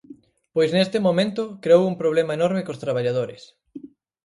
Pois neste momento creou un problema enorme cos traballadores.